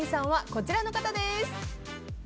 こちらの方です。